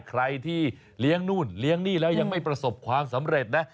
ใครที่เลี้ยงนู่นเลี้ยงนี่แล้วยังไม่ประสบความสำเร็จนะ